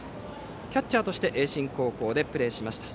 キャッチャーとして盈進高校でプレーしました。